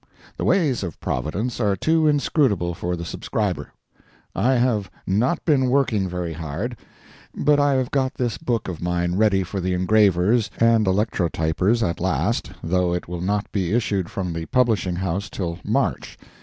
The ways of Providence are too inscrutable for the subscriber. I have not been working very hard, but I have got this book of mine ready for the engravers and electrotypers at last, though it will not be issued from the publishing house till March.